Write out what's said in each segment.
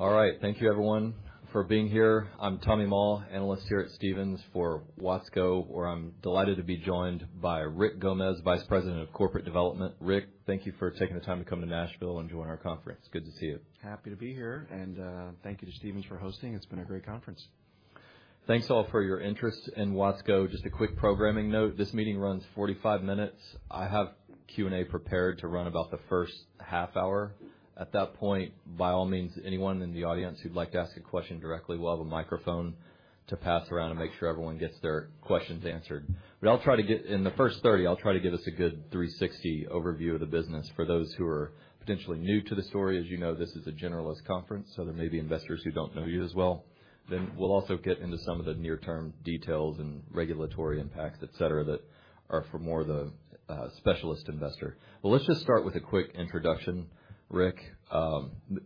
All right. Thank you, everyone, for being here. I'm Tommy Moll, Analyst here at Stephens for Watsco, where I'm delighted to be joined by Rick Gomez, Vice President of Corporate Development. Rick, thank you for taking the time to come to Nashville and join our conference. Good to see you. Happy to be here, and thank you to Stephens for hosting. It's been a great conference. Thanks, all, for your interest in Watsco. Just a quick programming note, this meeting runs 45 minutes. I have Q&A prepared to run about the first half hour. At that point, by all means, anyone in the audience who'd like to ask a question directly, we'll have a microphone to pass around and make sure everyone gets their questions answered. But I'll try to get, in the first 30, I'll try to give us a good 360 overview of the business for those who are potentially new to the story. As you know, this is a generalist conference, so there may be investors who don't know you as well. Then we'll also get into some of the near-term details and regulatory impacts, et cetera, that are for more the specialist investor. Well, let's just start with a quick introduction, Rick.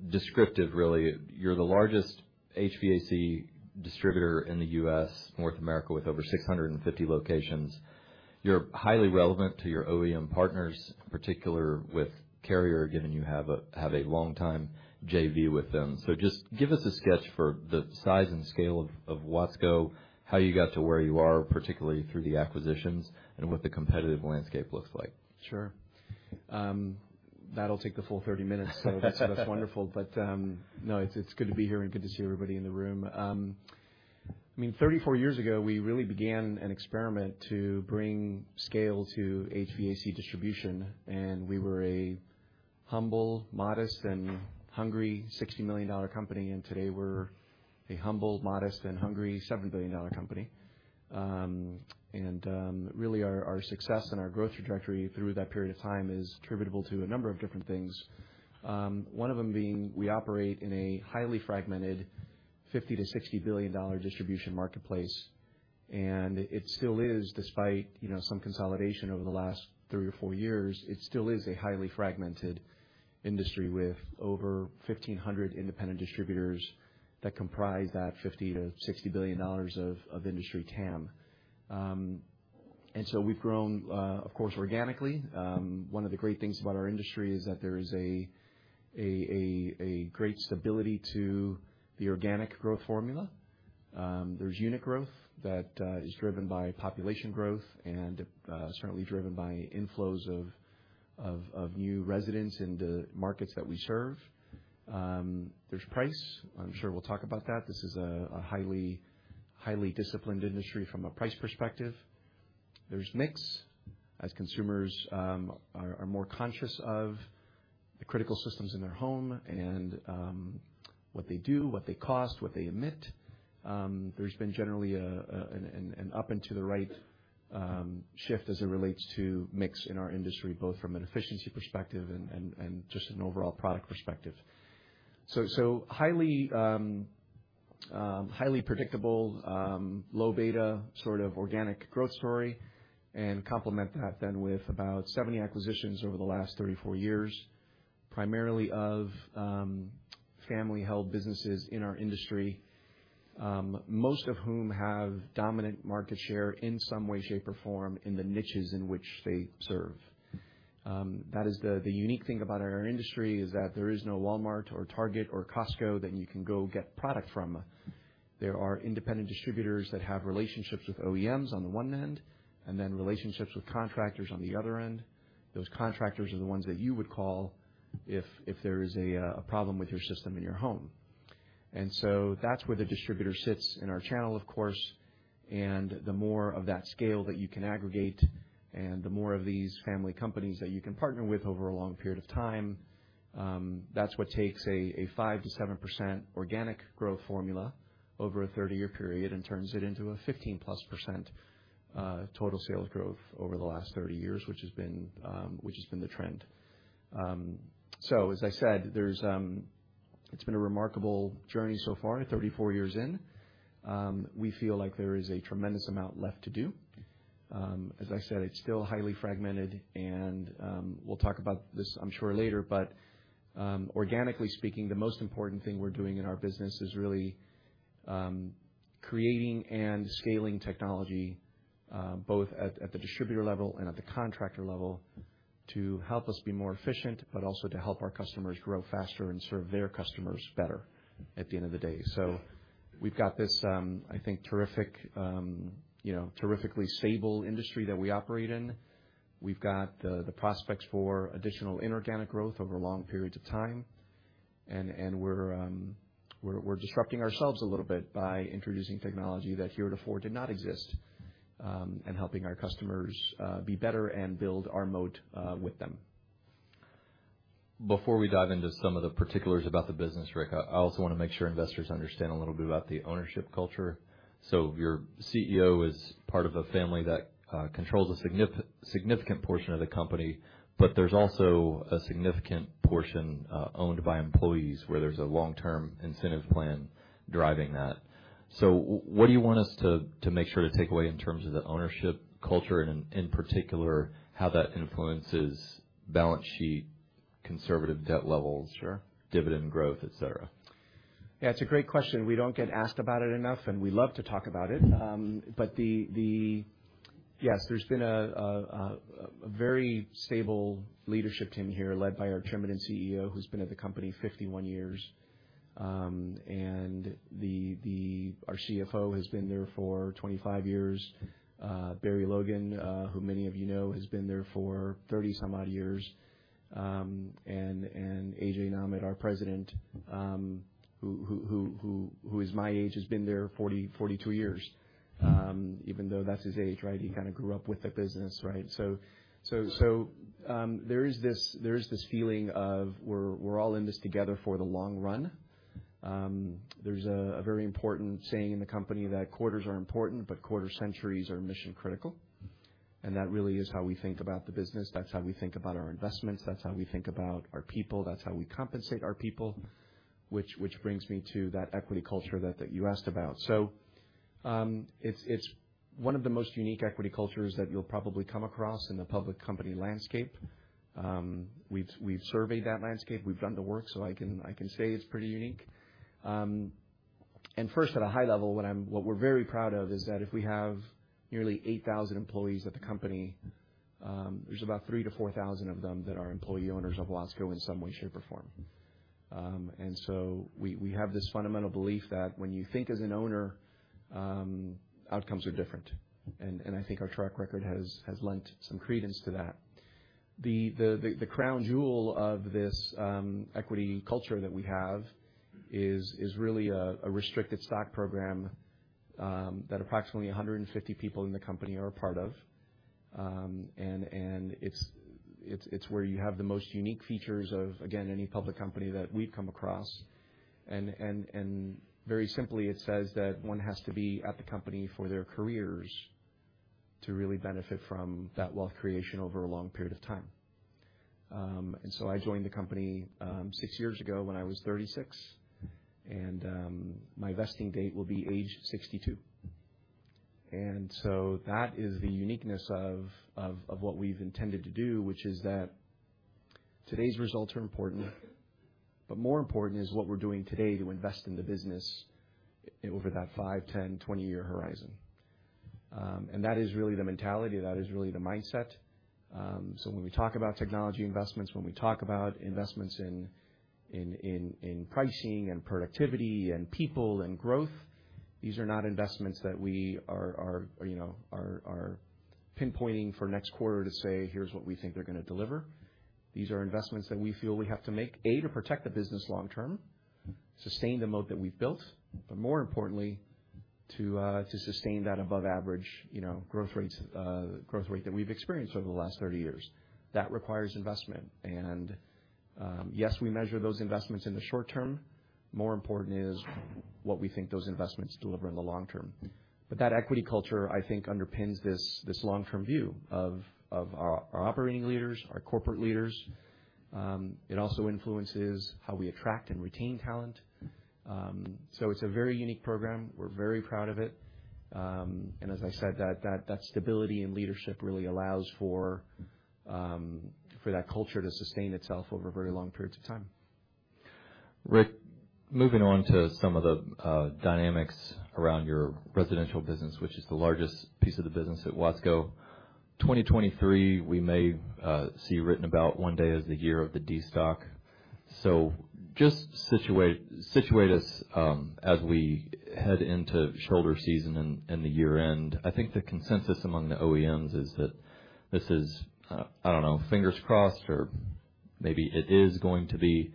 Descriptive, really, you're the largest HVAC distributor in the U.S., North America, with over 650 locations. You're highly relevant to your OEM partners, in particular with Carrier, given you have a long-time JV with them. So just give us a sketch for the size and scale of Watsco, how you got to where you are, particularly through the acquisitions, and what the competitive landscape looks like. Sure. That'll take the full 30 minutes, so that's wonderful. But no, it's good to be here and good to see everybody in the room. I mean, 34 years ago, we really began an experiment to bring scale to HVAC distribution, and we were a humble, modest, and hungry $60 million company, and today we're a humble, modest, and hungry $7 billion company. Really, our success and our growth trajectory through that period of time is attributable to a number of different things. One of them being, we operate in a highly fragmented, $50 billion-$60 billion distribution marketplace, and it still is, despite, you know, some consolidation over the last three or four years, it still is a highly fragmented industry with over 1,500 independent distributors that comprise that $50 billion-$60 billion of industry TAM. And so we've grown, of course, organically. One of the great things about our industry is that there is a great stability to the organic growth formula. There's unit growth that is driven by population growth and certainly driven by inflows of new residents in the markets that we serve. There's price. I'm sure we'll talk about that. This is a highly disciplined industry from a price perspective. There's mix, as consumers are more conscious of the critical systems in their home and what they do, what they cost, what they emit. There's been generally an up and to the right shift as it relates to mix in our industry, both from an efficiency perspective and just an overall product perspective. Highly predictable, low beta, sort of organic growth story, and complement that then with about 70 acquisitions over the last 34 years, primarily of family-held businesses in our industry, most of whom have dominant market share in some way, shape, or form in the niches in which they serve. That is the unique thing about our industry is that there is no Walmart or Target or Costco that you can go get product from. There are independent distributors that have relationships with OEMs on the one end, and then relationships with contractors on the other end. Those contractors are the ones that you would call if there is a problem with your system in your home. So that's where the distributor sits in our channel, of course, and the more of that scale that you can aggregate and the more of these family companies that you can partner with over a long period of time, that's what takes a 5%-7% organic growth formula over a 30-year period and turns it into a 15%+ total sales growth over the last 30 years, which has been the trend. So as I said, it's been a remarkable journey so far, 34 years in. We feel like there is a tremendous amount left to do. As I said, it's still highly fragmented, and, we'll talk about this, I'm sure, later, but, organically speaking, the most important thing we're doing in our business is really, creating and scaling technology, both at, at the distributor level and at the contractor level, to help us be more efficient, but also to help our customers grow faster and serve their customers better at the end of the day. So we've got this, I think, terrific, you know, terrifically stable industry that we operate in. We've got the, the prospects for additional inorganic growth over long periods of time, and, and we're, we're, we're disrupting ourselves a little bit by introducing technology that heretofore did not exist, and helping our customers, be better and build our moat, with them. Before we dive into some of the particulars about the business, Rick, I also wanna make sure investors understand a little bit about the ownership culture. So your CEO is part of a family that controls a significant portion of the company, but there's also a significant portion owned by employees, where there's a long-term incentive plan driving that. So what do you want us to make sure to take away in terms of the ownership culture and, in particular, how that influences balance sheet, conservative debt levels dividend growth, etc? Yeah, it's a great question. We don't get asked about it enough, and we love to talk about it. But yes, there's been a very stable leadership team here, led by our Chairman and CEO, who's been at the company 51 years. And our CFO has been there for 25 years. Barry Logan, who many of you know, has been there for 30-some odd years. And A.J. Nahmad, our president, who is my age, has been there 42 years. Even though that's his age, right? He kind of grew up with the business, right? There is this feeling of we're all in this together for the long run. There's a very important saying in the company that quarters are important, but quarter centuries are mission critical. And that really is how we think about the business. That's how we think about our investments. That's how we think about our people. That's how we compensate our people, which brings me to that equity culture that you asked about. So, it's one of the most unique equity cultures that you'll probably come across in the public company landscape. We've surveyed that landscape. We've done the work, so I can say it's pretty unique. And first, at a high level, what we're very proud of is that we have nearly 8,000 employees at the company. There's about 3,000-4,000 of them that are employee owners of Watsco in some way, shape, or form. And so we have this fundamental belief that when you think as an owner, outcomes are different. And I think our track record has lent some credence to that. The crown jewel of this equity culture that we have is really a restricted stock program that approximately 150 people in the company are a part of. And it's where you have the most unique features of, again, any public company that we've come across. Very simply, it says that one has to be at the company for their careers to really benefit from that wealth creation over a long period of time. And so I joined the company six years ago when I was 36, and my vesting date will be age 62. And so that is the uniqueness of what we've intended to do, which is that today's results are important, but more important is what we're doing today to invest in the business over that five, 10, 20-year horizon. And that is really the mentality. That is really the mindset. So when we talk about technology investments, when we talk about investments in pricing and productivity and people and growth, these are not investments that we are, you know, pinpointing for next quarter to say, "Here's what we think they're gonna deliver." These are investments that we feel we have to make, A, to protect the business long term, sustain the moat that we've built, but more importantly, to sustain that above average, you know, growth rates, growth rate that we've experienced over the last 30 years. That requires investment. And, yes, we measure those investments in the short term. More important is what we think those investments deliver in the long term. But that equity culture, I think, underpins this long-term view of our operating leaders, our corporate leaders. It also influences how we attract and retain talent. So it's a very unique program. We're very proud of it. And as I said, that stability in leadership really allows for that culture to sustain itself over very long periods of time. Rick, moving on to some of the dynamics around your residential business, which is the largest piece of the business at Watsco. 2023, we may see written about one day as the year of the destock. So just situate us as we head into shoulder season and the year-end. I think the consensus among the OEMs is that this is, I don't know, fingers crossed, or maybe it is going to be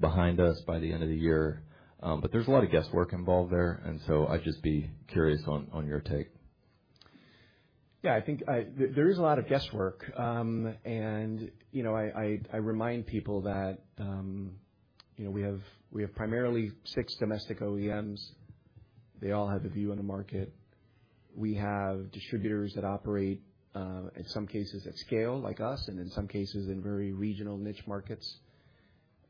behind us by the end of the year, but there's a lot of guesswork involved there, and so I'd just be curious on your take. Yeah, I think there is a lot of guesswork. And, you know, I remind people that, you know, we have, we have primarily six domestic OEMs. They all have a view on the market. We have distributors that operate, in some cases, at scale, like us, and in some cases, in very regional niche markets.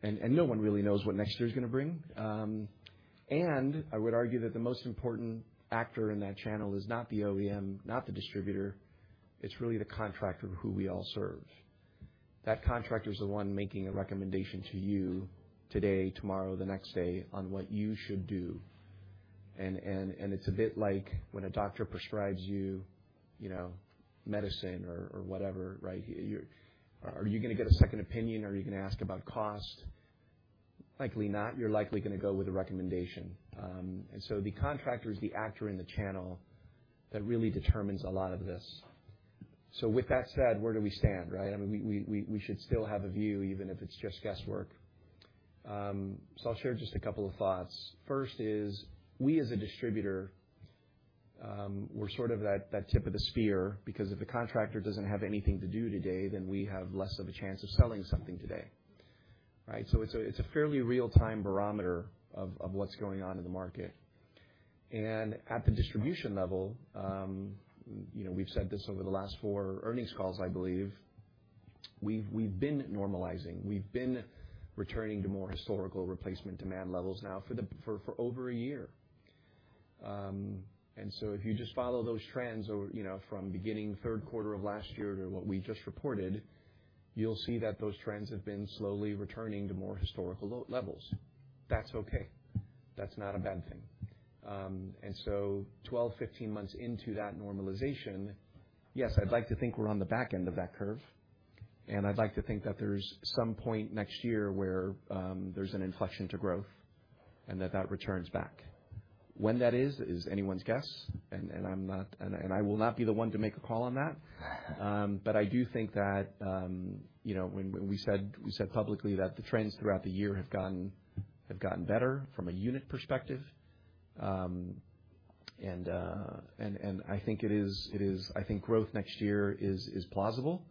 And no one really knows what next year's gonna bring. And I would argue that the most important actor in that channel is not the OEM, not the distributor, it's really the contractor who we all serve. That contractor is the one making a recommendation to you today, tomorrow, the next day, on what you should do. And it's a bit like when a doctor prescribes you, you know, medicine or whatever, right? You-- Are you gonna get a second opinion? Are you gonna ask about cost? Likely not. You're likely gonna go with the recommendation. And so the contractor is the actor in the channel that really determines a lot of this. So with that said, where do we stand, right? I mean, we should still have a view, even if it's just guesswork. So I'll share just a couple of thoughts. First is, we, as a distributor, we're sort of that tip of the spear, because if a contractor doesn't have anything to do today, then we have less of a chance of selling something today, right? So it's a fairly real-time barometer of what's going on in the market. And at the distribution level, you know, we've said this over the last four earnings calls, I believe: We've been normalizing. We've been returning to more historical replacement demand levels now for over a year. And so if you just follow those trends over you know from beginning third quarter of last year to what we just reported, you'll see that those trends have been slowly returning to more historical low levels. That's okay. That's not a bad thing. And so 12, 15 months into that normalization, yes, I'd like to think we're on the back end of that curve, and I'd like to think that there's some point next year where there's an inflection to growth and that returns back. When that is is anyone's guess, and I'm not and I will not be the one to make a call on that. But I do think that, you know, when we said publicly that the trends throughout the year have gotten better from a unit perspective. And I think it is. I think growth next year is plausible.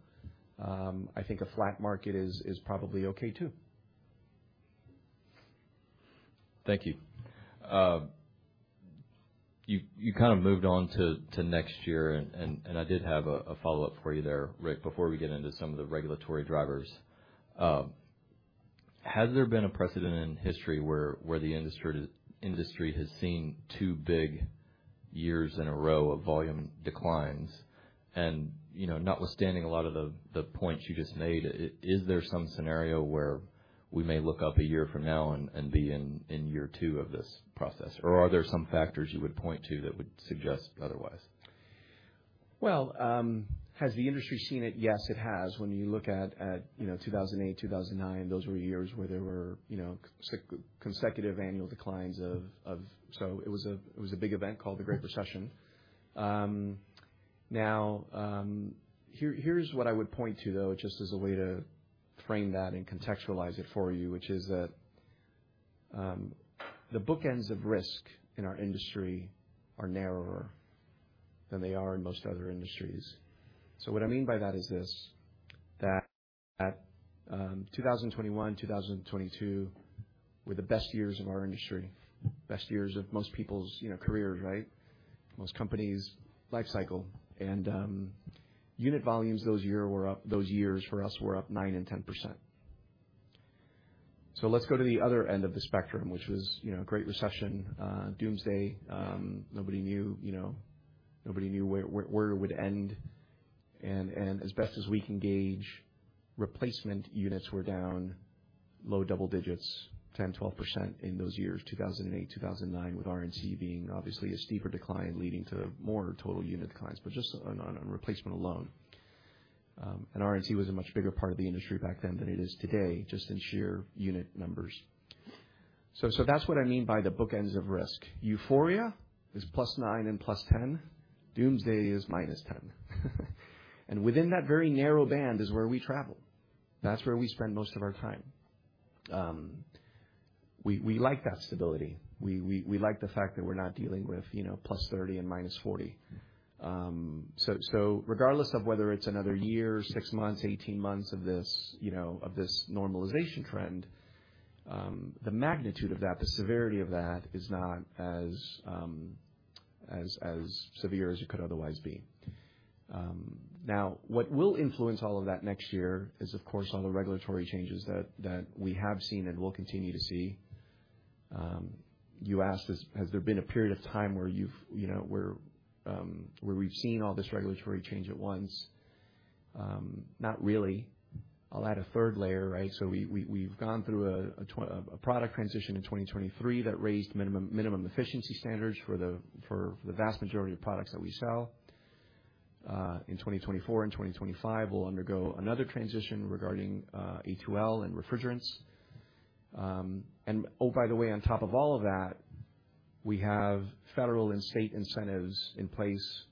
I think a flat market is probably okay, too. Thank you. You kind of moved on to next year, and I did have a follow-up for you there, Rick, before we get into some of the regulatory drivers. Has there been a precedent in history where the industry has seen two big years in a row of volume declines? And, you know, notwithstanding a lot of the points you just made, is there some scenario where we may look up a year from now and be in year two of this process? Or are there some factors you would point to that would suggest otherwise? Well, has the industry seen it? Yes, it has. When you look at, you know, 2008, 2009, those were years where there were, you know, consecutive annual declines of. So it was a big event called the Great Recession. Now, here's what I would point to, though, just as a way to frame that and contextualize it for you, which is that the bookends of risk in our industry are narrower than they are in most other industries. So what I mean by that is this, that 2021, 2022 were the best years of our industry, best years of most people's, you know, careers, right? Most companies' life cycle. Unit volumes those year were up, those years for us were up 9% and 10%. So let's go to the other end of the spectrum, which was, you know, Great Recession, doomsday. Nobody knew, you know, nobody knew where it would end. And as best as we can gauge, replacement units were down low double digits, 10%, 12% in those years, 2008, 2009, with RNC being obviously a steeper decline, leading to more total unit declines, but just on replacement alone. And RNC was a much bigger part of the industry back then than it is today, just in sheer unit numbers. So that's what I mean by the bookends of risk. Euphoria is +9 and +10. Doomsday is -10. And within that very narrow band is where we travel. That's where we spend most of our time. We like that stability. We like the fact that we're not dealing with, you know, +30 and -40. So regardless of whether it's another year, six months, 18 months of this, you know, of this normalization trend, the magnitude of that, the severity of that, is not as severe as it could otherwise be. Now, what will influence all of that next year is, of course, all the regulatory changes that we have seen and will continue to see. You asked, has there been a period of time where you've, you know, where we've seen all this regulatory change at once? Not really. I'll add a third layer, right? So we've gone through a product transition in 2023 that raised minimum efficiency standards for the vast majority of products that we sell. In 2024 and 2025, we'll undergo another transition regarding A2L and refrigerants. And oh, by the way, on top of all of that, we have federal and state incentives in place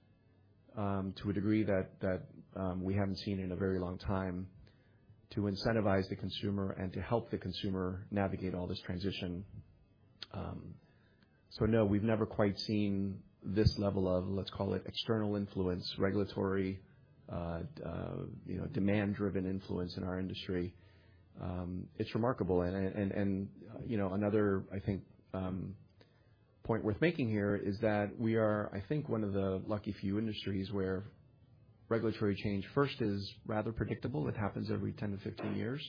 to a degree that we haven't seen in a very long time to incentivize the consumer and to help the consumer navigate all this transition. So no, we've never quite seen this level of, let's call it, external influence, regulatory, you know, demand-driven influence in our industry. It's remarkable. You know, another, I think, point worth making here is that we are, I think, one of the lucky few industries where regulatory change, first, is rather predictable. It happens every 10-15 years.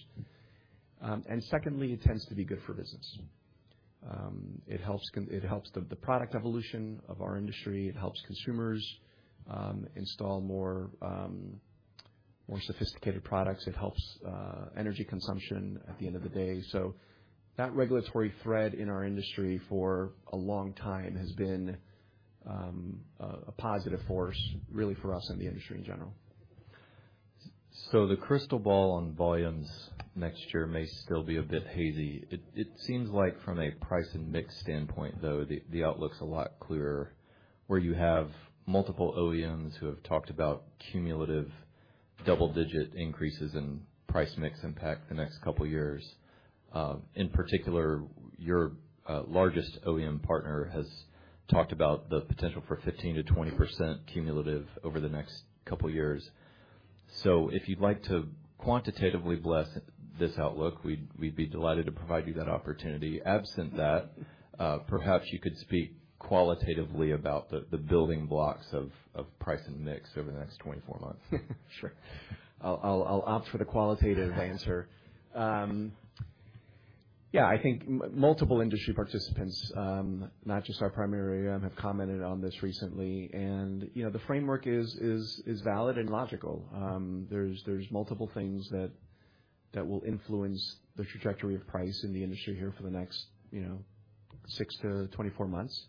And secondly, it tends to be good for business. It helps the product evolution of our industry. It helps consumers install more sophisticated products. It helps energy consumption at the end of the day. So that regulatory thread in our industry for a long time has been a positive force, really, for us and the industry in general. So the crystal ball on volumes next year may still be a bit hazy. It seems like from a price and mix standpoint, though, the outlook's a lot clearer, where you have multiple OEMs who have talked about cumulative double-digit increases in price mix impact the next couple years. In particular, your largest OEM partner has talked about the potential for 15%-20% cumulative over the next couple years. So if you'd like to quantitatively bless this outlook, we'd be delighted to provide you that opportunity. Absent that, perhaps you could speak qualitatively about the building blocks of price and mix over the next 24 months. Sure. I'll opt for the qualitative answer. Yeah, I think multiple industry participants, not just our primary OEM, have commented on this recently. And, you know, the framework is valid and logical. There's multiple things that will influence the trajectory of price in the industry here for the next, you know, 6-24 months.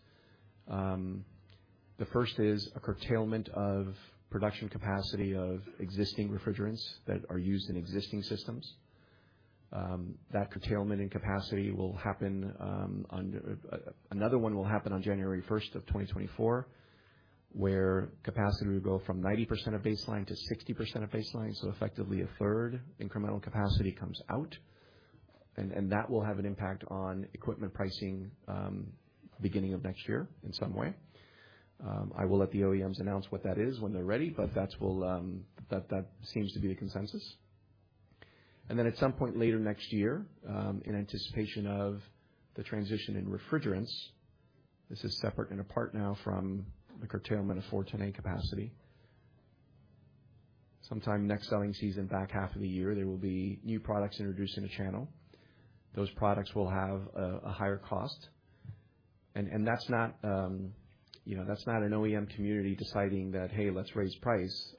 The first is a curtailment of production capacity of existing refrigerants that are used in existing systems. That curtailment in capacity will happen, another one will happen on January first of 2024, where capacity will go from 90% of baseline to 60% of baseline, so effectively, a third incremental capacity comes out. And that will have an impact on equipment pricing, beginning of next year in some way. I will let the OEMs announce what that is when they're ready, but that will, that seems to be the consensus. And then at some point later next year, in anticipation of the transition in refrigerants, this is separate and apart now from the curtailment of 410A capacity. Sometime next selling season, back half of the year, there will be new products introduced in the channel. Those products will have a higher cost, and that's not, you know, that's not an OEM community deciding that, "Hey, let's raise price."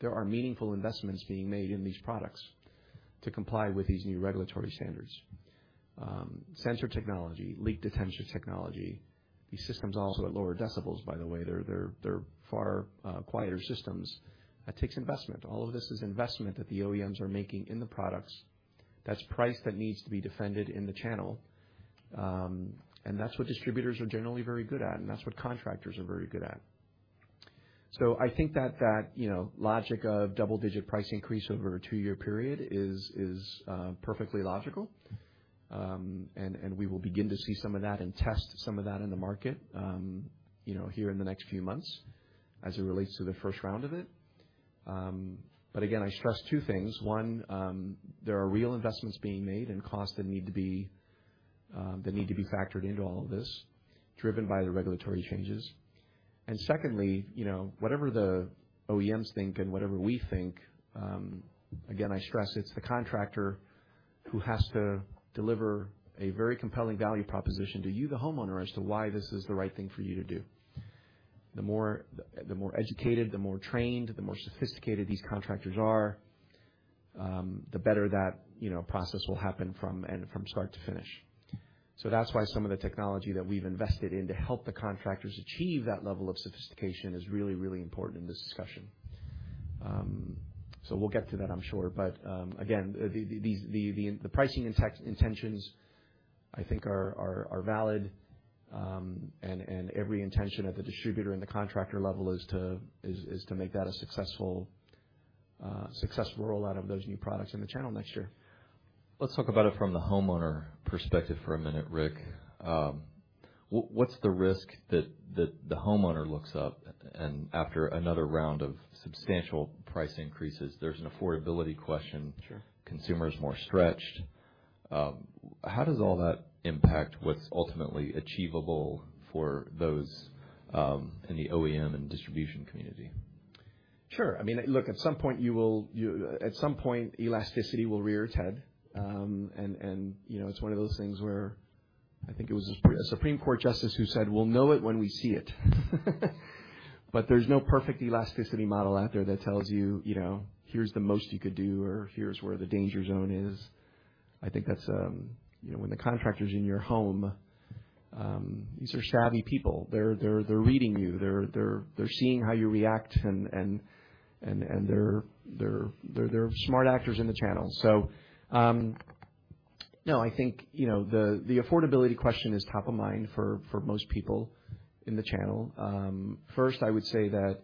There are meaningful investments being made in these products to comply with these new regulatory standards. Sensor technology, leak detection technology, these systems are also at lower decibels, by the way. They're far quieter systems. That takes investment. All of this is investment that the OEMs are making in the products. That's price that needs to be defended in the channel. That's what distributors are generally very good at, and that's what contractors are very good at. So I think that, you know, logic of double-digit price increase over a 2-year period is perfectly logical. And we will begin to see some of that and test some of that in the market, you know, here in the next few months as it relates to the first round of it. But again, I stress two things: one, there are real investments being made and costs that need to be factored into all of this, driven by the regulatory changes. And secondly, you know, whatever the OEMs think and whatever we think, again, I stress it's the contractor who has to deliver a very compelling value proposition to you, the homeowner, as to why this is the right thing for you to do. The more, the more educated, the more trained, the more sophisticated these contractors are, the better that, you know, process will happen from and from start to finish. So that's why some of the technology that we've invested in to help the contractors achieve that level of sophistication is really, really important in this discussion. So we'll get to that, I'm sure. But, again, the pricing intentions, I think, are valid, and every intention at the distributor and the contractor level is to make that a successful rollout of those new products in the channel next year. Let's talk about it from the homeowner perspective for a minute, Rick. What's the risk that, that the homeowner looks up and after another round of substantial price increases, there's an affordability question? Sure. Consumers more stretched. How does all that impact what's ultimately achievable for those in the OEM and distribution community? Sure. I mean, look, at some point, you will. At some point, elasticity will rear its head. And you know, it's one of those things where I think it was a Supreme Court justice who said, "We'll know it when we see it." But there's no perfect elasticity model out there that tells you, you know, here's the most you could do, or here's where the danger zone is. I think that's you know, when the contractor's in your home, these are savvy people. They're reading you, they're seeing how you react, and they're smart actors in the channel. So, no, I think you know, the affordability question is top of mind for most people in the channel. First, I would say that,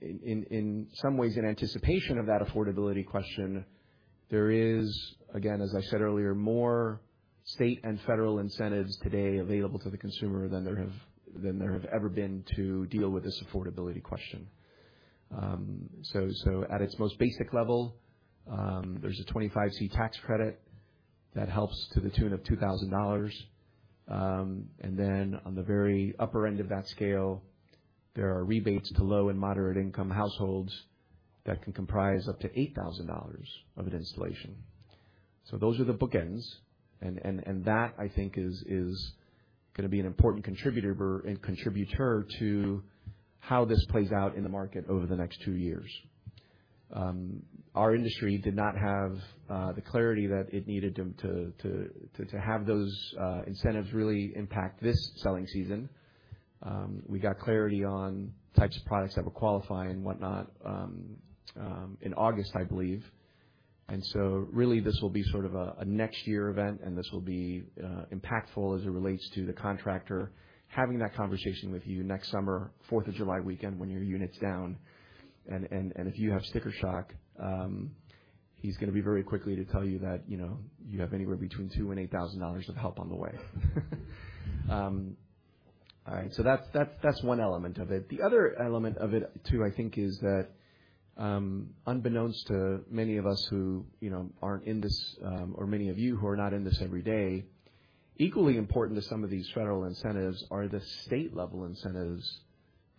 in some ways, in anticipation of that affordability question, there is, again, as I said earlier, more state and federal incentives today available to the consumer than there have, than there have ever been to deal with this affordability question. So, so at its most basic level, there's a 25C tax credit that helps to the tune of $2,000. And then on the very upper end of that scale, there are rebates to low and moderate-income households that can comprise up to $8,000 of an installation. So those are the bookends, and, and, and that, I think, is, is gonna be an important contributor and contributor to how this plays out in the market over the next two years. Our industry did not have the clarity that it needed to have those incentives really impact this selling season. We got clarity on types of products that would qualify and whatnot in August, I believe. And so really, this will be sort of a next year event, and this will be impactful as it relates to the contractor having that conversation with you next summer, Fourth of July weekend, when your unit's down. And if you have sticker shock, he's gonna be very quickly to tell you that, you know, you have anywhere between $2,000 and $8,000 of help on the way. All right, so that's one element of it. The other element of it, too, I think, is that, unbeknownst to many of us who, you know, aren't in this, or many of you who are not in this every day, equally important to some of these federal incentives are the state-level incentives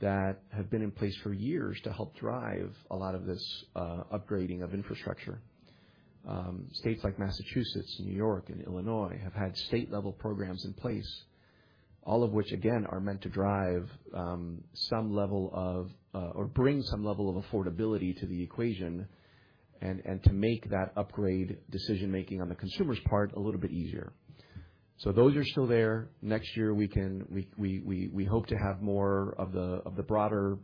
that have been in place for years to help drive a lot of this upgrading of infrastructure. States like Massachusetts, and New York, and Illinois have had state-level programs in place, all of which, again, are meant to drive some level of or bring some level of affordability to the equation and to make that upgrade decision-making on the consumer's part a little bit easier. So those are still there. Next year, we hope to have more of the broader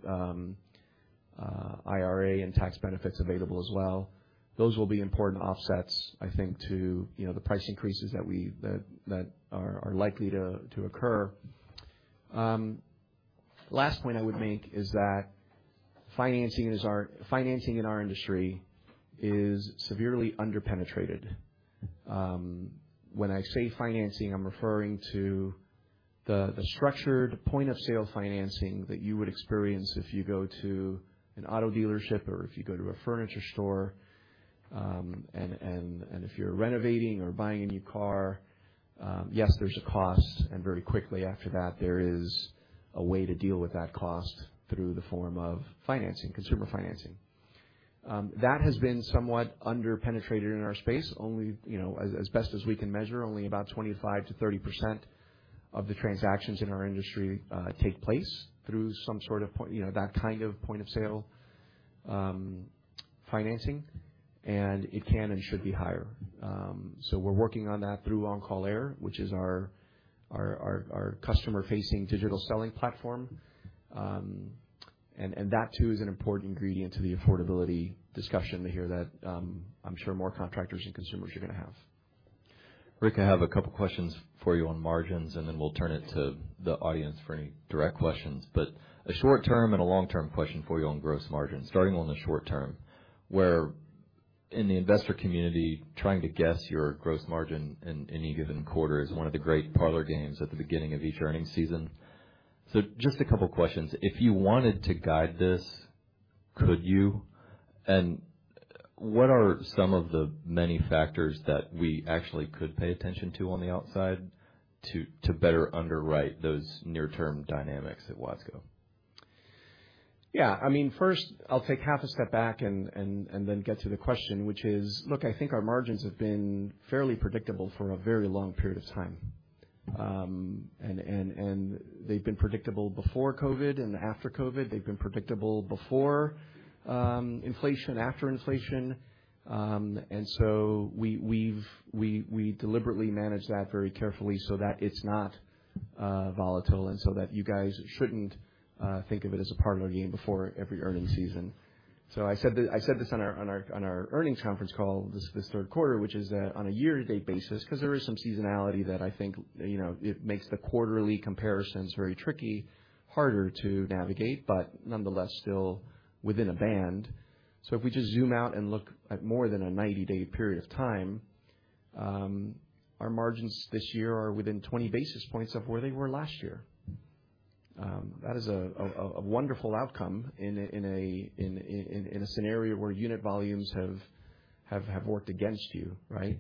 IRA and tax benefits available as well. Those will be important offsets, I think, to you know the price increases that we that are likely to occur. Last point I would make is that financing in our industry is severely underpenetrated. When I say financing, I'm referring to the structured point-of-sale financing that you would experience if you go to an auto dealership or if you go to a furniture store. And if you're renovating or buying a new car, yes, there's a cost, and very quickly after that, there is a way to deal with that cost through the form of financing, consumer financing. That has been somewhat underpenetrated in our space. Only you know as best as we can measure, only about 25%-30% of the transactions in our industry take place through some sort of point. You know, that kind of point-of-sale financing, and it can and should be higher. So we're working on that through OnCall Air, which is our customer-facing digital selling platform. And that, too, is an important ingredient to the affordability discussion here that I'm sure more contractors and consumers are gonna have. Rick, I have a couple questions for you on margins, and then we'll turn it to the audience for any direct questions. But a short-term and a long-term question for you on gross margins. Starting on the short-term, where in the investor community, trying to guess your gross margin in any given quarter is one of the great parlor games at the beginning of each earnings season. So just a couple questions: if you wanted to guide this, could you? And what are some of the many factors that we actually could pay attention to on the outside to better underwrite those near-term dynamics at Watsco? Yeah, I mean, first, I'll take half a step back and then get to the question, which is: Look, I think our margins have been fairly predictable for a very long period of time. And they've been predictable before COVID and after COVID. They've been predictable before inflation, after inflation. And so we deliberately manage that very carefully so that it's not volatile, and so that you guys shouldn't think of it as a parlor game before every earnings season. So I said this on our earnings conference call, this third quarter, which is that on a year-to-date basis, 'cause there is some seasonality that I think, you know, it makes the quarterly comparisons very tricky, harder to navigate, but nonetheless, still within a band. So if we just zoom out and look at more than a 90-day period of time, our margins this year are within 20 basis points of where they were last year. That is a wonderful outcome in a scenario where unit volumes have worked against you, right?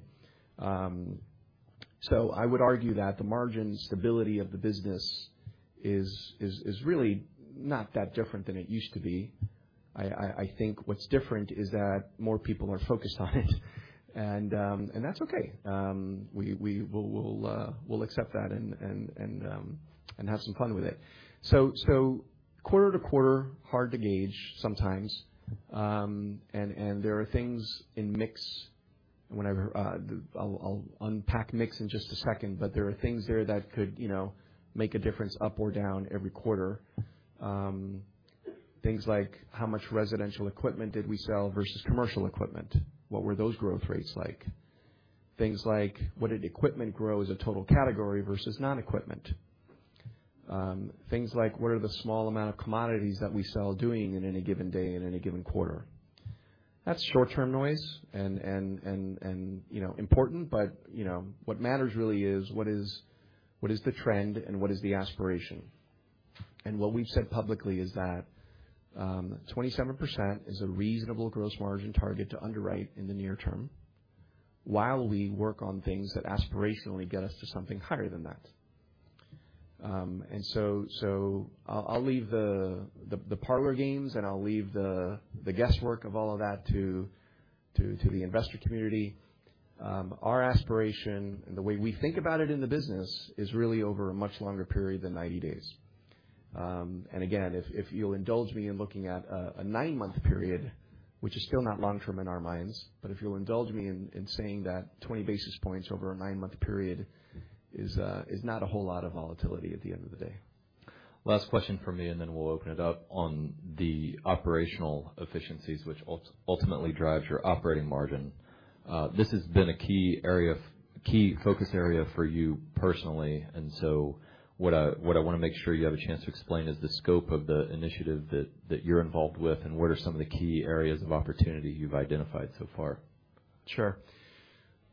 So I would argue that the margin stability of the business is really not that different than it used to be. I think what's different is that more people are focused on it, and that's okay. We'll accept that and have some fun with it. So quarter to quarter, hard to gauge sometimes. There are things in mix, whenever... I'll unpack mix in just a second, but there are things there that could, you know, make a difference up or down every quarter. Things like, how much residential equipment did we sell versus commercial equipment? What were those growth rates like? Things like, what did equipment grow as a total category versus non-equipment? Things like, what are the small amount of commodities that we sell doing in any given day, in any given quarter? That's short-term noise and, you know, important, but, you know, what matters really is what is the trend and what is the aspiration? And what we've said publicly is that, 27% is a reasonable gross margin target to underwrite in the near term while we work on things that aspirationally get us to something higher than that. So I'll leave the parlor games, and I'll leave the guesswork of all of that to the investor community. Our aspiration and the way we think about it in the business is really over a much longer period than 90 days. And again, if you'll indulge me in looking at a nine-month period, which is still not long term in our minds, but if you'll indulge me in saying that 20 basis points over a nine-month period is not a whole lot of volatility at the end of the day. Last question from me, and then we'll open it up on the operational efficiencies, which ultimately drives your operating margin. This has been a key area of key focus area for you personally, and so what I, what I wanna make sure you have a chance to explain is the scope of the initiative that, that you're involved with and what are some of the key areas of opportunity you've identified so far. Sure.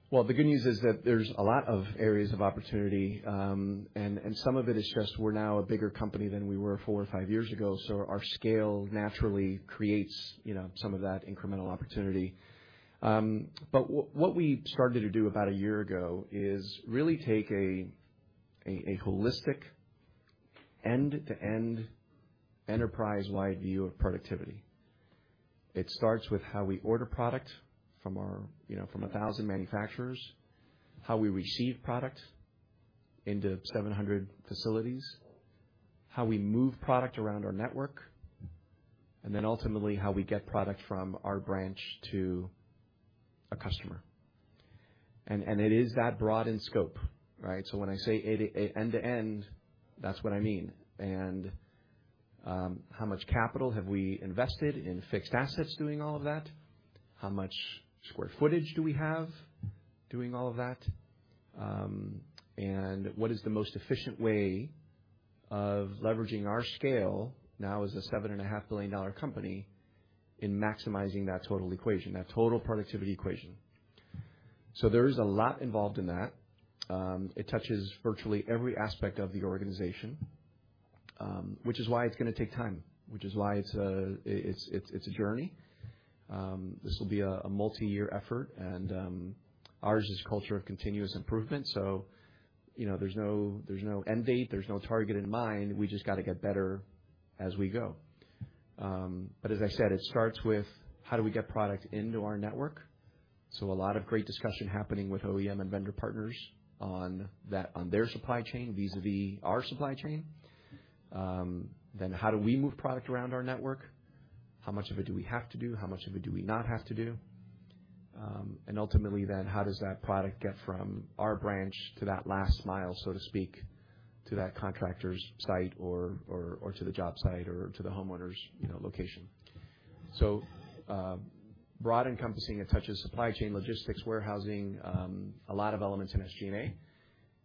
Well, the good news is that there's a lot of areas of opportunity, and some of it is just we're now a bigger company than we were 4 or 5 years ago, so our scale naturally creates, you know, some of that incremental opportunity. But what we started to do about 1 year ago is really take a holistic end-to-end, enterprise-wide view of productivity. It starts with how we order product from our, you know, from 1,000 manufacturers, how we receive product into 700 facilities, how we move product around our network, and then ultimately, how we get product from our branch to a customer. And it is that broad in scope, right? So when I say end-to-end, that's what I mean. And how much capital have we invested in fixed assets doing all of that? How much square footage do we have doing all of that? And what is the most efficient way of leveraging our scale, now as a $7.5 billion company, in maximizing that total equation, that total productivity equation? So there is a lot involved in that. It touches virtually every aspect of the organization, which is why it's gonna take time, which is why it's a journey. This will be a multiyear effort, and ours is culture of continuous improvement, so, you know, there's no end date, there's no target in mind. We just gotta get better as we go. But as I said, it starts with: How do we get product into our network? So a lot of great discussion happening with OEM and vendor partners on that, on their supply chain, vis-à-vis our supply chain. Then how do we move product around our network? How much of it do we have to do? How much of it do we not have to do? And ultimately then, how does that product get from our branch to that last mile, so to speak, to that contractor's site or to the job site or to the homeowner's, you know, location? Broad encompassing. It touches supply chain, logistics, warehousing, a lot of elements in SG&A.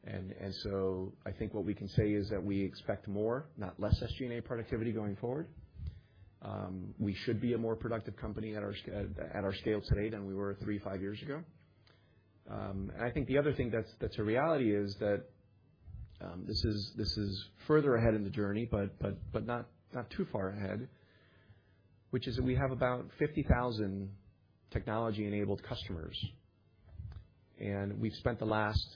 And so I think what we can say is that we expect more, not less, SG&A productivity going forward. We should be a more productive company at our scale today than we were 3, 5 years ago. And I think the other thing that's a reality is that this is further ahead in the journey, but not too far ahead, which is that we have about 50,000 technology-enabled customers. We've spent the last,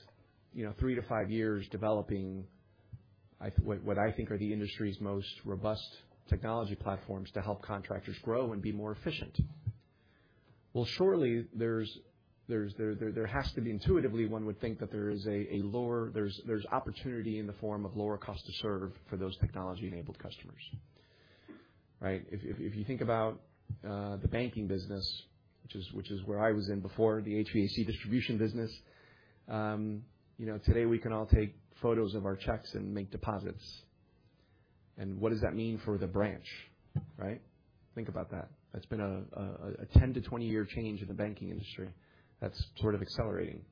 you know, 3-5 years developing what I think are the industry's most robust technology platforms to help contractors grow and be more efficient. Well, shortly, there has to be, intuitively, one would think, there's opportunity in the form of lower cost to serve for those technology-enabled customers, right? If you think about the banking business, which is where I was in before the HVAC distribution business, you know, today we can all take photos of our checks and make deposits. And what does that mean for the branch, right? Think about that. That's been a 10- to 20-year change in the banking industry. That's sort of accelerating.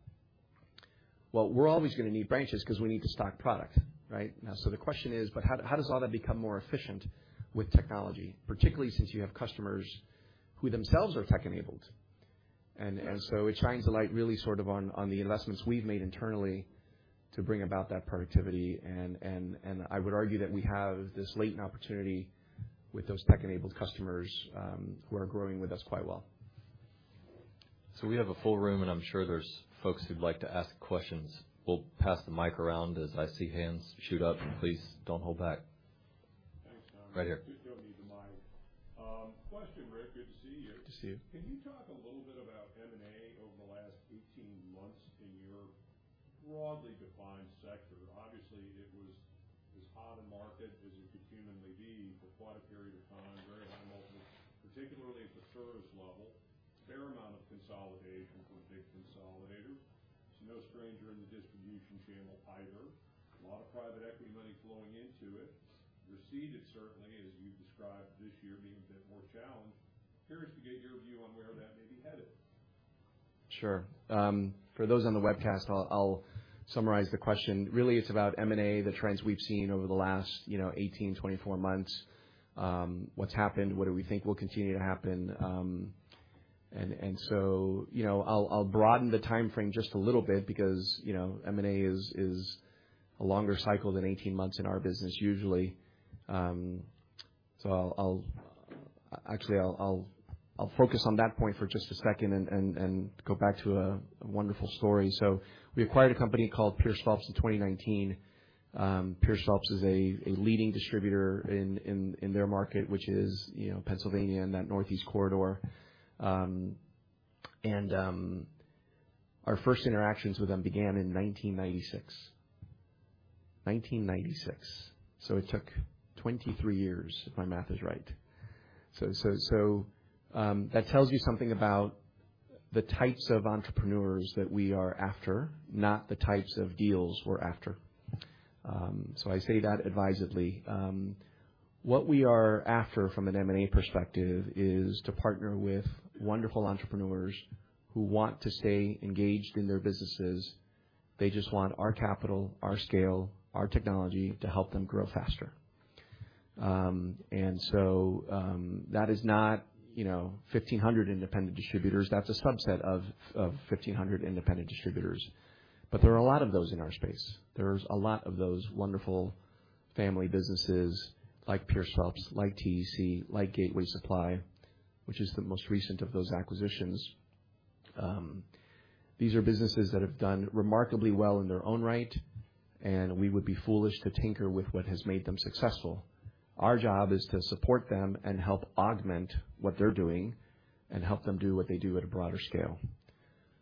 Well, we're always gonna need branches, 'cause we need to stock product, right? Now, so the question is, but how does all that become more efficient with technology, particularly since you have customers who themselves are tech-enabled? And I would argue that we have this latent opportunity with those tech-enabled customers, who are growing with us quite well. We have a full room, and I'm sure there's folks who'd like to ask questions. We'll pass the mic around as I see hands shoot up. Please don't hold back. Thanks, Tom. Right here. You don't need the mic. Question, Rick. Good to see you. Good to see you. Can you talk a little bit about M&A over the last 18 months in your broadly defined sector? Obviously, it was, as hot a market as it could humanly be for quite a period of time, very high multiples, particularly at the service level. A fair amount of consolidation for a big consolidator. It's no stranger in the distribution channel either. A lot of private equity money flowing into it. Receded, certainly, as you've described this year being a bit more challenged. Curious to get your view on where that may be headed. Sure. For those on the webcast, I'll summarize the question. Really, it's about M&A, the trends we've seen over the last, you know, 18-24 months. What's happened, what do we think will continue to happen? And so, you know, I'll broaden the timeframe just a little bit because, you know, M&A is a longer cycle than 18 months in our business usually. So I'll... Actually, I'll focus on that point for just a second and go back to a wonderful story. So we acquired a company called Pierce Phelps in 2019. Pierce Phelps is a leading distributor in their market, which is, you know, Pennsylvania and that Northeast Corridor. And our first interactions with them began in 1996. 1996. So it took 23 years, if my math is right. That tells you something about the types of entrepreneurs that we are after, not the types of deals we're after. So I say that advisedly. What we are after, from an M&A perspective, is to partner with wonderful entrepreneurs who want to stay engaged in their businesses. They just want our capital, our scale, our technology to help them grow faster. That is not, you know, 1,500 independent distributors. That's a subset of 1,500 independent distributors. But there are a lot of those in our space. There's a lot of those wonderful family businesses like Pierce Phelps, like TEC, like Gateway Supply, which is the most recent of those acquisitions. These are businesses that have done remarkably well in their own right, and we would be foolish to tinker with what has made them successful. Our job is to support them and help augment what they're doing and help them do what they do at a broader scale.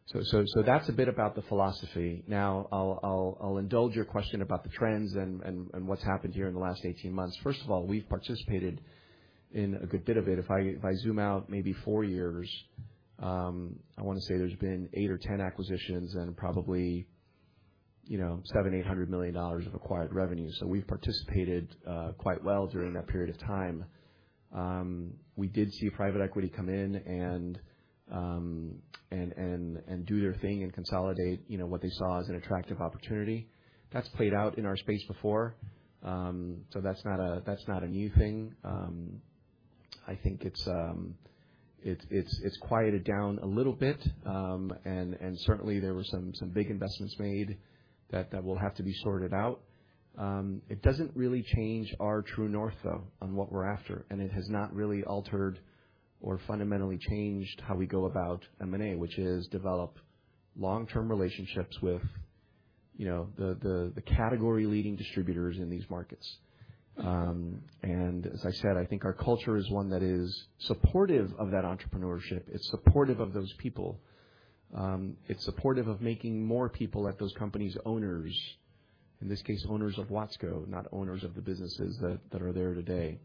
So that's a bit about the philosophy. Now, I'll indulge your question about the trends and what's happened here in the last 18 months. First of all, we've participated in a good bit of it. If I zoom out maybe 4 years, I wanna say there's been 8 or 10 acquisitions and probably, you know, $700 million to $800 million of acquired revenue. So we've participated quite well during that period of time. We did see private equity come in and do their thing and consolidate, you know, what they saw as an attractive opportunity. That's played out in our space before, so that's not a new thing. I think it's quieted down a little bit, and certainly there were some big investments made that will have to be sorted out. It doesn't really change our true north, though, on what we're after, and it has not really altered or fundamentally changed how we go about M&A, which is develop long-term relationships with, you know, the category-leading distributors in these markets. And as I said, I think our culture is one that is supportive of that entrepreneurship. It's supportive of those people. It's supportive of making more people at those companies owners, in this case, owners of Watsco, not owners of the businesses that are there today.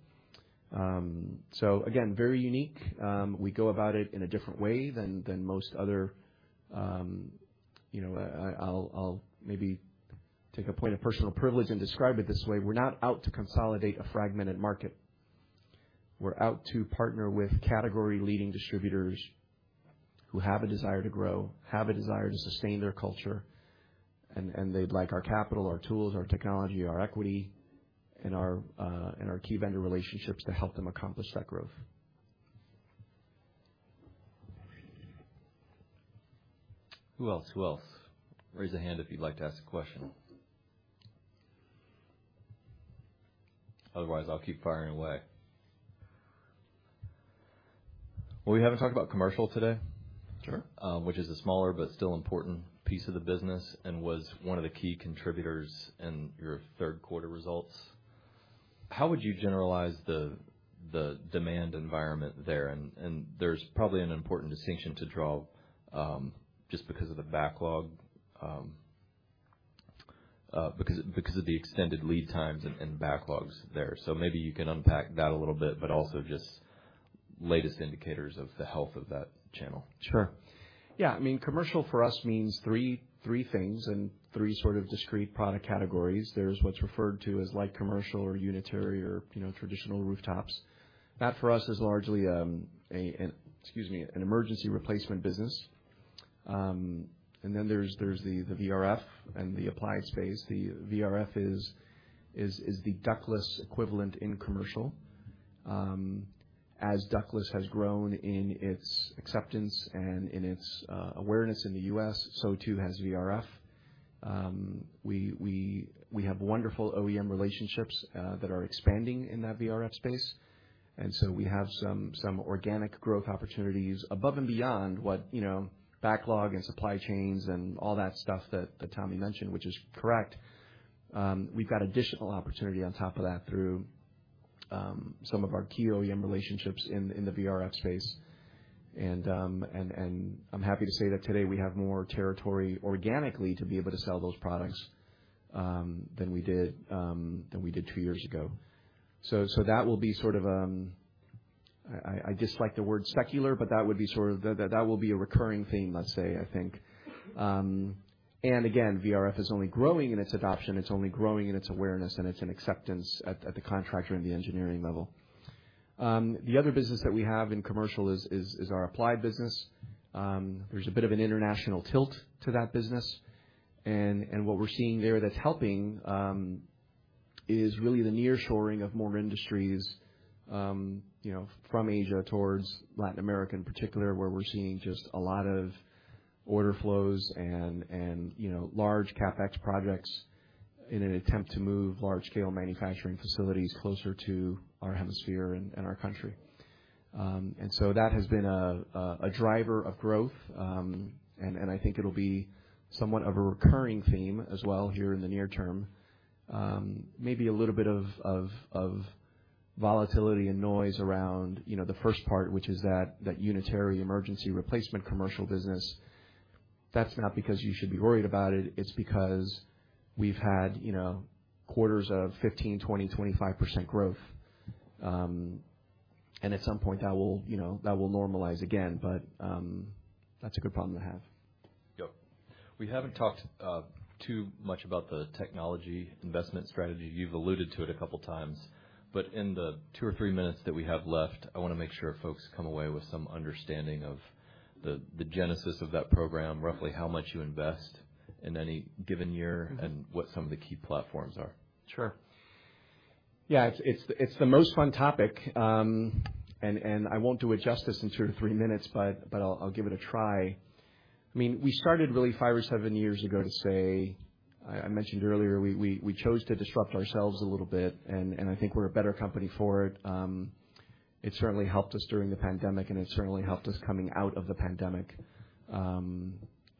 So again, very unique. We go about it in a different way than most other. You know, I'll maybe take a point of personal privilege and describe it this way: We're not out to consolidate a fragmented market. We're out to partner with category-leading distributors who have a desire to grow, have a desire to sustain their culture, and they'd like our capital, our tools, our technology, our equity, and our, and our key vendor relationships to help them accomplish that growth. Who else? Who else? Raise a hand if you'd like to ask a question. Otherwise, I'll keep firing away. Well, we haven't talked about commercial today. Sure. Which is a smaller but still important piece of the business and was one of the key contributors in your third quarter results. How would you generalize the demand environment there? And there's probably an important distinction to draw, just because of the backlog, because of the extended lead times and backlogs there. So maybe you can unpack that a little bit, but also just latest indicators of the health of that channel. Sure. Yeah, I mean, commercial for us means three things and three sort of discrete product categories. There's what's referred to as light commercial or unitary or, you know, traditional rooftops. That, for us, is largely, excuse me, an emergency replacement business. And then there's the VRF and the applied space. The VRF is the ductless equivalent in commercial. As ductless has grown in its acceptance and in its awareness in the U.S., so too has VRF. We have wonderful OEM relationships that are expanding in that VRF space, and so we have some organic growth opportunities above and beyond what, you know, backlog and supply chains and all that stuff that Tommy mentioned, which is correct. We've got additional opportunity on top of that through some of our key OEM relationships in the VRF space. And I'm happy to say that today we have more territory organically to be able to sell those products than we did two years ago. So that will be sort of. I dislike the word secular, but that would be sort of- that will be a recurring theme, let's say, I think. And again, VRF is only growing in its adoption. It's only growing in its awareness, and it's an acceptance at the contractor and the engineering level. The other business that we have in commercial is our Applied business. There's a bit of an international tilt to that business, and what we're seeing there that's helping is really the nearshoring of more industries, you know, from Asia towards Latin America, in particular, where we're seeing just a lot of order flows and, you know, large CapEx projects in an attempt to move large-scale manufacturing facilities closer to our hemisphere and our country. And so that has been a driver of growth, and I think it'll be somewhat of a recurring theme as well here in the near term. Maybe a little bit of volatility and noise around, you know, the first part, which is that unitary emergency replacement commercial business. That's not because you should be worried about it. It's because we've had, you know, quarters of 15%, 20%, 25% growth. At some point, that will, you know, that will normalize again, but that's a good problem to have. Yep. We haven't talked too much about the technology investment strategy. You've alluded to it a couple times, but in the two or three minutes that we have left, I wanna make sure folks come away with some understanding of the genesis of that program, roughly how much you invest in any given year and what some of the key platforms are. Sure. Yeah, it's the most fun topic, and I won't do it justice in 2-3 minutes, but I'll give it a try. I mean, we started really 5 or 7 years ago to say, I mentioned earlier, we chose to disrupt ourselves a little bit, and I think we're a better company for it. It certainly helped us during the pandemic, and it certainly helped us coming out of the pandemic,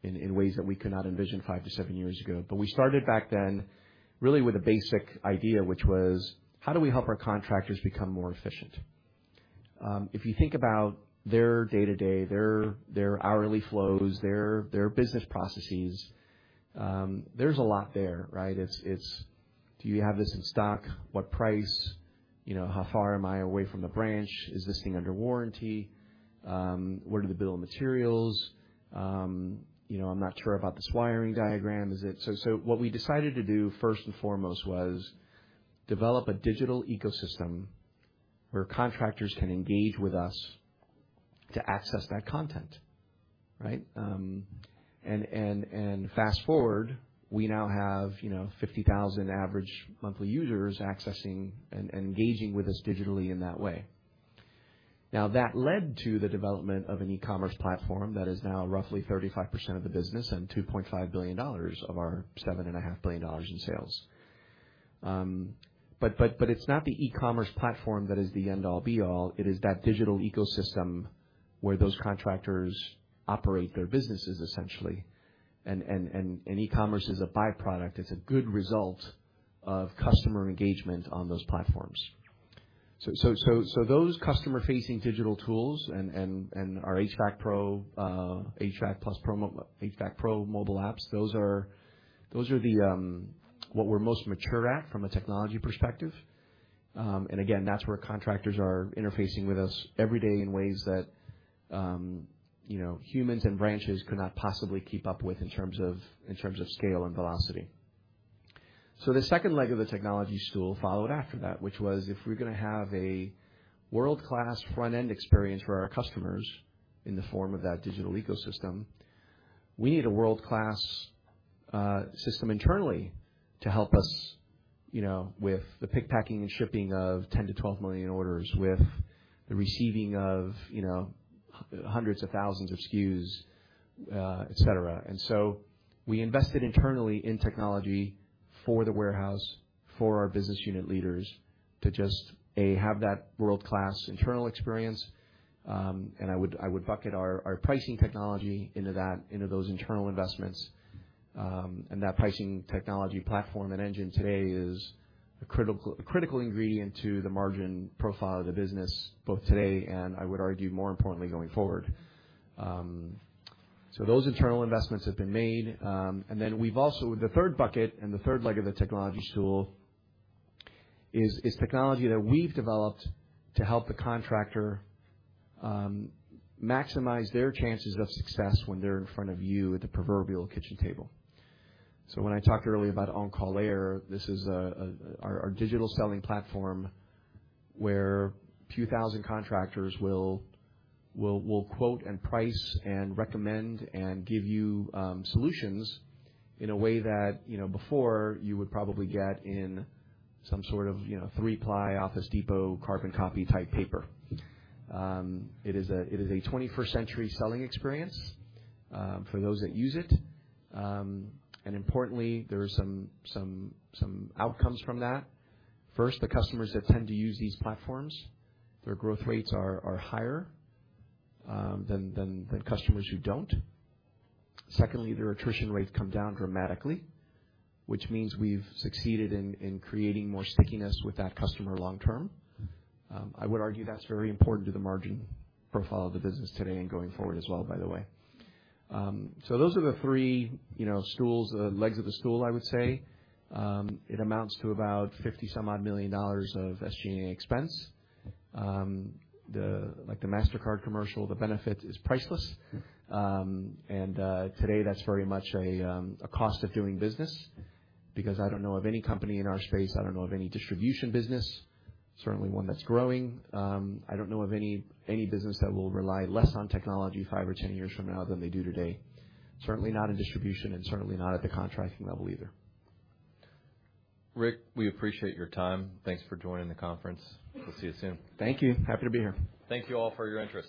in ways that we could not envision 5-7 years ago. But we started back then, really with a basic idea, which was: How do we help our contractors become more efficient? If you think about their day-to-day, their hourly flows, their business processes, there's a lot there, right? It's do you have this in stock? What price? You know, how far am I away from the branch? Is this thing under warranty? What are the bill of materials? You know, I'm not sure about this wiring diagram. So what we decided to do, first and foremost, was develop a digital ecosystem where contractors can engage with us to access that content, right? And fast forward, we now have, you know, 50,000 average monthly users accessing and engaging with us digitally in that way. Now, that led to the development of an e-commerce platform that is now roughly 35% of the business and $2.5 billion of our $7.5 billion in sales. But it's not the e-commerce platform that is the end-all, be-all. It is that digital ecosystem where those contractors operate their businesses, essentially, and e-commerce is a byproduct. It's a good result of customer engagement on those platforms. So those customer-facing digital tools and our HVAC Pro, HVAC Pro+ HVAC Pro mobile apps, those are what we're most mature at from a technology perspective. And again, that's where contractors are interfacing with us every day in ways that, you know, humans and branches could not possibly keep up with in terms of scale and velocity. So the second leg of the technology stool followed after that, which was, if we're gonna have a world-class front-end experience for our customers in the form of that digital ecosystem, we need a world-class system internally to help us, you know, with the pick, packing, and shipping of 10 million-12 million orders, with the receiving of, you know, hundreds of thousands of SKUs, et cetera. And so we invested internally in technology for the warehouse, for our business unit leaders to just, A, have that world-class internal experience. I would, I would bucket our, our pricing technology into that, into those internal investments. That pricing technology platform and engine today is a critical, critical ingredient to the margin profile of the business, both today and I would argue, more importantly, going forward. Those internal investments have been made. And then we've also. The third bucket and the third leg of the technology stool is technology that we've developed to help the contractor maximize their chances of success when they're in front of you at the proverbial kitchen table. So when I talked earlier about OnCall Air, this is our digital selling platform, where a few thousand contractors will quote and price and recommend and give you solutions in a way that, you know, before you would probably get in some sort of, you know, three-ply Office Depot, carbon copy type paper. It is a 21st-century selling experience for those that use it. And importantly, there are some outcomes from that. First, the customers that tend to use these platforms, their growth rates are higher than customers who don't. Secondly, their attrition rates come down dramatically, which means we've succeeded in creating more stickiness with that customer long term. I would argue that's very important to the margin profile of the business today and going forward as well, by the way. So those are the three, you know, stools, legs of the stool, I would say. It amounts to about $50-some-odd million of SG&A expense. Like, the Mastercard commercial, the benefit is priceless. Today, that's very much a cost of doing business, because I don't know of any company in our space, I don't know of any distribution business, certainly one that's growing, I don't know of any, any business that will rely less on technology five or 10 years from now than they do today. Certainly not in distribution and certainly not at the contracting level either. Rick, we appreciate your time. Thanks for joining the conference. We'll see you soon. Thank you. Happy to be here. Thank you all for your interest.